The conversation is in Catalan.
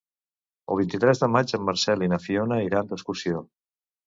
El vint-i-tres de maig en Marcel i na Fiona iran d'excursió.